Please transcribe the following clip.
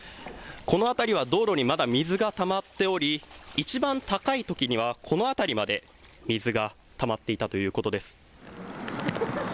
この辺りは道路にまだ水がたまっておりいちばん高いときにはこの辺りまで水がたまっていたということです。